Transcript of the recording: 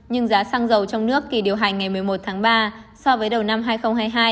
nhưng giá xăng dầu trong nước kỳ điều hành ngày một mươi một tháng ba so với đầu năm hai nghìn hai mươi hai